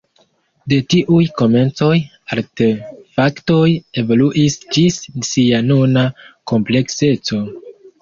De tiuj komencoj, artefaktoj evoluis ĝis sia nuna komplekseco.